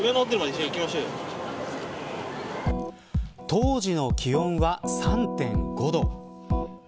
当時の気温は３．５度。